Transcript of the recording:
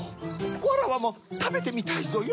わらわもたべてみたいぞよ。